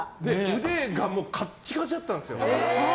腕がカッチカチだったんですよ。